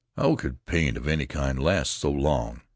"How could paint of any kind last so long?